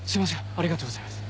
ありがとうございます。